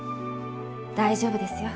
大丈夫ですよ